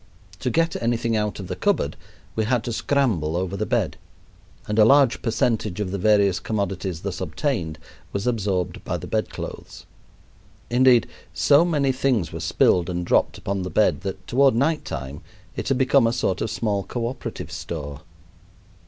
To get anything out of the cupboard we had to scramble over the bed, and a large percentage of the various commodities thus obtained was absorbed by the bedclothes. Indeed, so many things were spilled and dropped upon the bed that toward night time it had become a sort of small cooperative store.